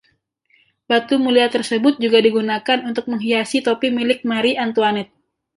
Batu mulia tersebut juga digunakan untuk menghiasi topi milik Marie Antoinette.